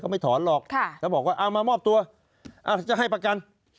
ไม่ถอนหรอกถ้าบอกว่าเอามามอบตัวจะให้ประกัน